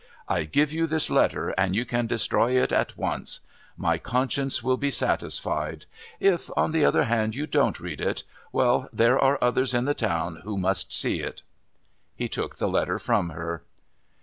I give you this letter and you can destroy it at once. My conscience will be satisfied. If, on the other hand, you don't read it well, there are others in the town who must see it." He took the letter from her.